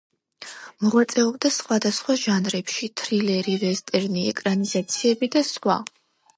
მოღვაწეობდა სხვადასხვა ჟანრებში: თრილერი, ვესტერნი, ეკრანიზაციები და სხვა.